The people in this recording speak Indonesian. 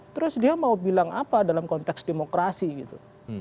terus dia mau bilang apa dalam konteks demokrasi gitu